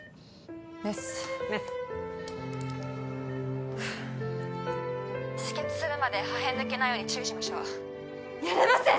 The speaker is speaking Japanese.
メスメスふう止血するまで破片抜けないように注意しましょうやれません！